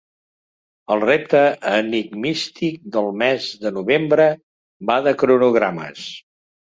El repte enigmístic del mes de novembre va de cronogrames.